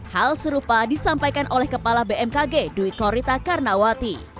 hal serupa disampaikan oleh kepala bmkg dwi korita karnawati